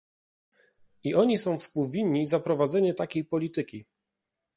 I oni są współwinni za prowadzenie takiej polityki